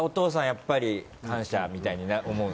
やっぱり感謝みたいに思うんすか？